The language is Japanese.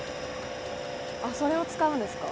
それを使うんですか？